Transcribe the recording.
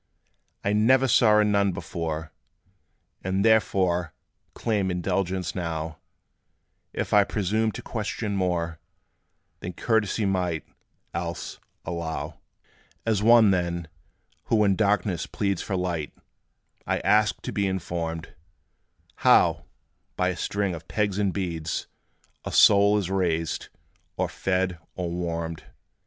I never saw a Nun before; And therefore claim indulgence now, If I presume to question more Than courtesy might, else, allow: As one, then, who in darkness pleads, For light, I ask to be informed How, by a string of pegs and beads, A soul is raised, or fed, or warmed.